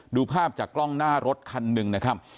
ดูภาพจากกล้องหน้ารถคันหนึ่งนะครับ